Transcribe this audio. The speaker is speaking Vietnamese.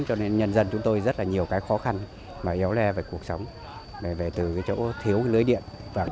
cho nên nhân dân chúng tôi rất là nhiều cái khó khăn mà yếu le về cuộc sống về từ cái chỗ thiếu lưới điện